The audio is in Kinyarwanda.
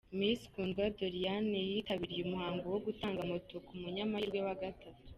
Miss Kundwa Doriane yitabiriye umuhango wo gutanga Moto ku munyamahirwe wa gatanu.